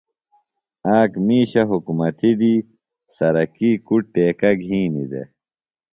آک مِیشہ حُکمتیۡ دی سرکی کُڈ ٹیکہ گِھینیۡ دےۡ۔